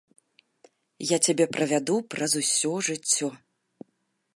Я цябе павяду праз усё жыццё.